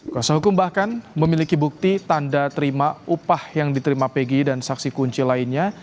kuasa hukum bahkan memiliki bukti tanda terima upah yang diterima pg dan saksi kunci lainnya